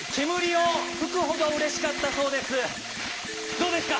どうですか？